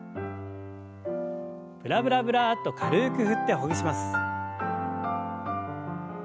ブラブラブラッと軽く振ってほぐします。